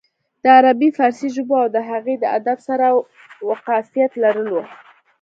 د عربي فارسي ژبو او د هغې د ادب سره واقفيت لرلو